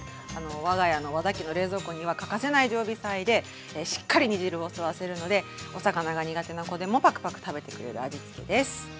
我が家の和田家の冷蔵庫には欠かせない常備菜でしっかり煮汁を吸わせるのでお魚が苦手な子でもパクパク食べてくれる味付けです。